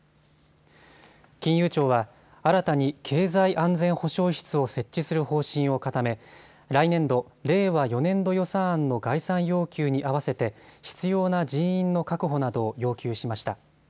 金融庁は新たに経済安全保障室を設置する方針を固め来年度、令和４年度予算案の概算要求に合わせて必要な人員の確保などを要求しました。